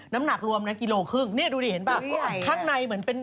น้ำหนักรวมนะกิโลครึ่งเนี่ยดูดิเห็นป่ะข้างในเหมือนเป็น